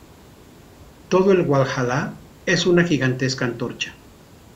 Todo el Walhalla es una gigantesca antorcha.